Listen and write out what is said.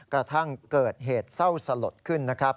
กระทั่งเกิดเหตุเศร้าสลดขึ้นนะครับ